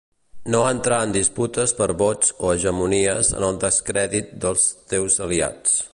No entrar en disputes per vots o hegemonies en el descrèdit dels teus aliats.